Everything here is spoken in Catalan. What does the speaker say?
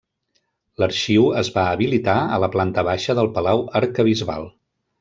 L'arxiu es va habilitar a la planta baixa del Palau Arquebisbal.